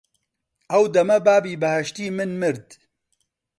ئەو دەمە بابی بەهەشتی من مرد